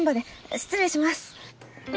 失礼します。